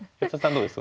どうです？